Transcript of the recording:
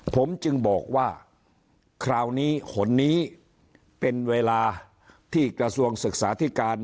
ผมจึงบอกว่าคราวนี้หนนี้เป็นเวลาที่กระทรวงศึกษาธิการ